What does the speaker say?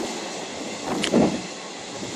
Este árbol es más conocido por su flores.